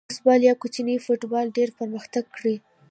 فوسال یا کوچنی فوټبال ډېر پرمختګ کړی.